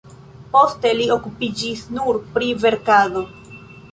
Poste li okupiĝis nur pri verkado.